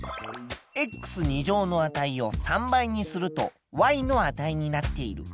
の値を３倍にするとの値になっている。